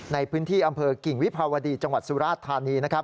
ในพื้นที่อำเภอกิ่งวิภาวดีจังหวัดสุราชธานีนะครับ